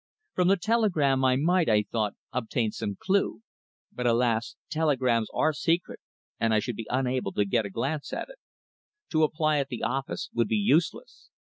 From the telegram I might, I thought, obtain some clue, but, alas! telegrams are secret, and I should be unable to get a glance at it. To apply at the office would be useless.